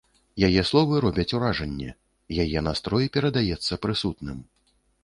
Яе словы робяць уражанне, яе настрой перадаецца прысутным.